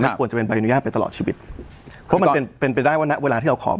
ควรจะเป็นใบอนุญาตไปตลอดชีวิตเพราะมันเป็นเป็นไปได้ว่าณเวลาที่เราขอ